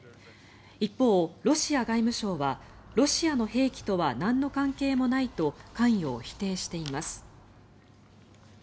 一方、ロシア外務省はロシアの兵器とはなんの関係もないと関与を否定しています。